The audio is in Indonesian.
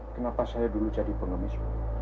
kenapa saya dulu jadi pengemis